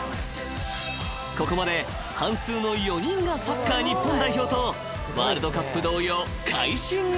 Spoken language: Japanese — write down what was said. ［ここまで半数の４人がサッカー日本代表とワールドカップ同様快進撃］